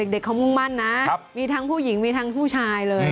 เด็กเขามุ่งมั่นนะมีทั้งผู้หญิงมีทั้งผู้ชายเลย